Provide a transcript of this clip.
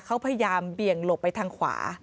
เขาพยายามเบี่ยงหลบไปทางขวา